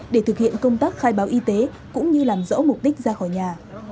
để thực hiện công tác khai báo y tế cũng như làm rõ mục đích ra khỏi nhà